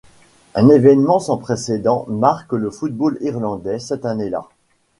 Un événement sans précédent marque le football irlandais cette année-là.